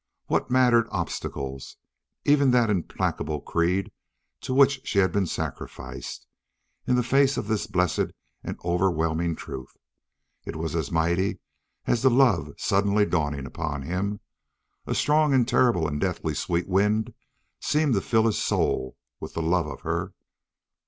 What mattered obstacles, even that implacable creed to which she had been sacrificed, in the face of this blessed and overwhelming truth? It was as mighty as the love suddenly dawning upon him. A strong and terrible and deathly sweet wind seemed to fill his soul with the love of her.